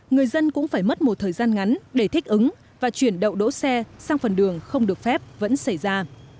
người dân cũng phải mất một thời gian ngắn để thích ứng và chuyển đậu đỗ xe sang phần đường không được phép vẫn xảy ra